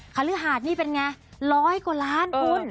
ขฤหาสนี่เป็นอย่างไร๑๐๐กว่าล้านบุญ